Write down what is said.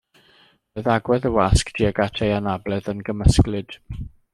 Roedd agwedd y wasg tuag at ei anabledd yn gymysglyd.